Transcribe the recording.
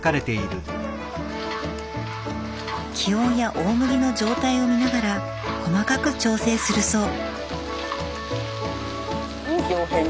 気温や大麦の状態を見ながら細かく調整するそう。